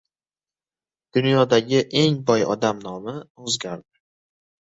Dunyodagi eng boy odami nomi o‘zgardi